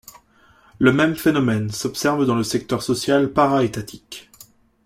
Le même phénomène s’observe dans le secteur social para-étatique.